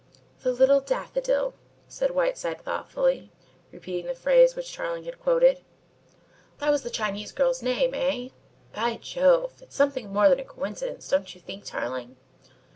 "The Little Daffodil!" said Whiteside thoughtfully, repeating the phrase which Tarling had quoted. "That was the Chinese girl's name, eh? By Jove! It's something more than a coincidence, don't you think, Tarling?"